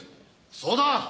そうだ。